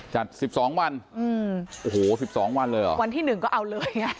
จัด๑๒วันโอ้โห๑๒วันเลยอ่ะวันที่๑ก็อ้าวเลย